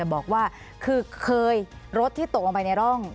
บอกว่าคือเคยรถที่ตกลงไปในร่อง